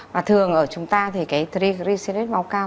và thường ở chúng ta thì cái telegrecid máu cao